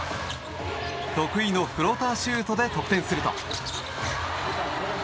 得意のフローターシュートで得点すると。